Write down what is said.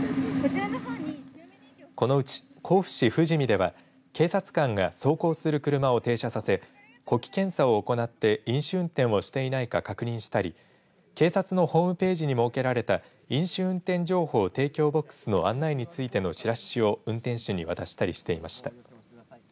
このうち甲府市富士見では、警察官が走行する車を停車させ呼気検査を行って飲酒運転をしていないか確認したり警察のホームページに設けられた飲酒運転情報提供ボックスの案内についてのチラシを運転手に渡したりしていました。